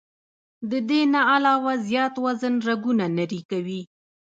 د دې نه علاوه زيات وزن رګونه نري کوي